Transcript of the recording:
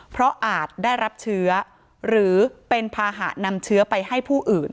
เพราะอาจได้รับเชื้อหรือเป็นภาหะนำเชื้อไปให้ผู้อื่น